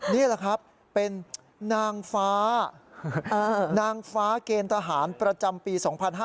นี่แหละครับเป็นนางฟ้านางฟ้าเกณฑ์ทหารประจำปี๒๕๕๙